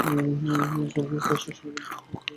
সবগুলো টেস্টই শ্রীলঙ্কার বিপক্ষে খেলেছিলেন তিনি।